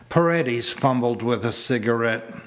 Paredes fumbled with a cigarette.